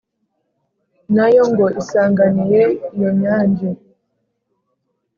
na yo ngo isanganiye iyo nyange